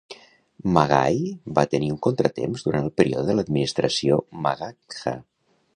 Magahi va tenir un contratemps durant el període de l'administració Magadha.